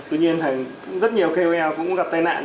tuy nhiên rất nhiều kol cũng gặp tai nạn